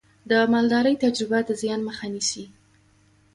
د مالدارۍ تجربه د زیان مخه نیسي.